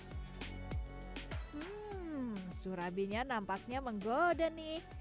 hmm surabinya nampaknya menggoda nih